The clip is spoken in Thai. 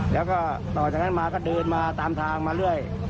แล้วก็ต่อจากนั้นมาก็เดินมาตามทางมาเรื่อย